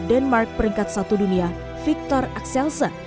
dan dari atlet park peringkat satu dunia victor axelsen